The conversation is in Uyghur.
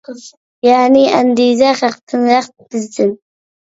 يەنى، ئەندىزە خەقتىن، رەخت بىزدىن.